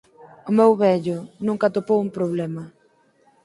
O meu vello, nunca atopou un problema